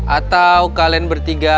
atau kalian bertiga